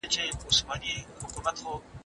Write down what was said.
بلا ګردان سمه زه